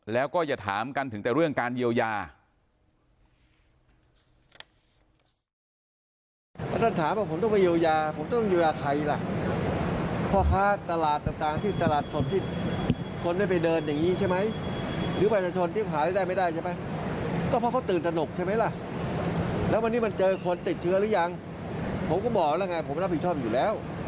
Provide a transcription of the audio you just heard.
แล้วก็อย่าถามกันถึงแต่เรื่องการเยียวยา